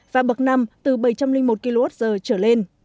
và bậc năm từ bảy trăm linh một kwh trở lên